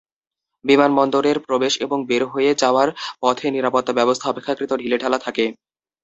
বিমানবন্দরের প্রবেশ এবং বের হয়ে যাওয়ার পথে নিরাপত্তাব্যবস্থা অপেক্ষাকৃত ঢিলেঢালা থাকে।